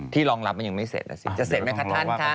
ที่รองรับยังไม่เสร็จจะเสร็จไหมท่าน